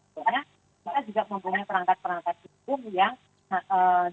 kita mempunyai perangkat perangkat hukum yang